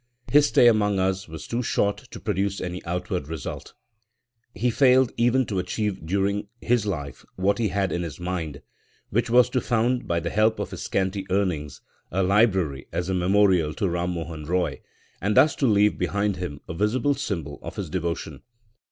His stay among us was too short to produce any outward result. He failed even to achieve during his life what he had in his mind, which was to found by the help of his scanty earnings a library as a memorial to Ram Mohan Roy, and thus to leave behind him a visible symbol of his devotion.